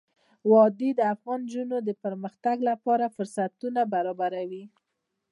وادي د افغان نجونو د پرمختګ لپاره فرصتونه برابروي.